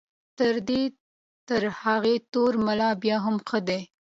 دی تر هغه تور ملا بیا هم ښه دی.